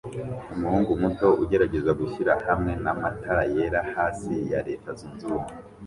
Umuhungu muto ugerageza gushyira hamwe na matara yera hasi ya Reta zunzubumwe